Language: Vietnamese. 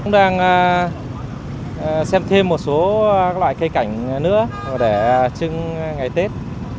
tôi đang xem thêm một số loài cây cảnh nữa để chưng ngày tết